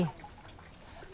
selalu ada atau tidak